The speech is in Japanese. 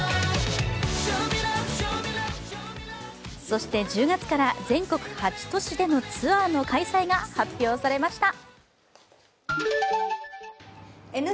そして１０月から全国８都市でのツアーが開催されました。